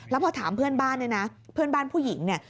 แล้วพอถามเพื่อนบ้านเนี่ยนะเพื่อนบ้านผู้หญิงเนี่ย